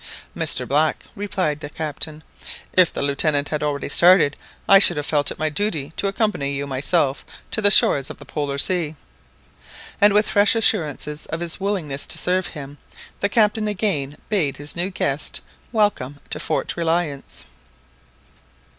"Mr Black," replied the Captain, "if the Lieutenant had already started, I should have felt it my duty to accompany you myself to the shores of the Polar Sea." And with fresh assurances of his willingness to serve him, the Captain again bade his new guest welcome to Fort Reliance.